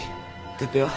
哲平は？